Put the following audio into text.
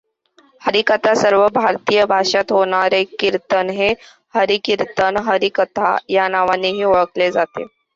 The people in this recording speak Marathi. हरिकथा सर्व भारतीय भाषात होणारे कीर्तन हे हरिकीर्तन, हरिकथा या नावानेही ओळखले जाते.